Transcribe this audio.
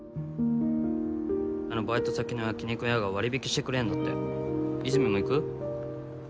あのバイト先の焼き肉屋が割引してくれんだって和泉も行く？